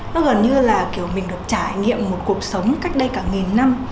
nó gần như là kiểu mình được trải nghiệm một cuộc sống cách đây cả nghìn năm